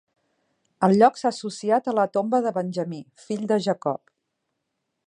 El lloc s'ha associat a la tomba de Benjamí, fill de Jacob.